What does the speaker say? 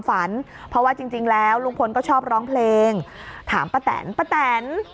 ฝันเพราะว่าจริงแล้วลุงพลก็ชอบร้องเพลงถามป้าแตนป้าแตน